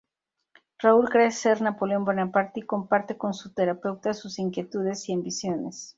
Raúl cree ser Napoleón Bonaparte y comparte con su terapeuta sus inquietudes y ambiciones.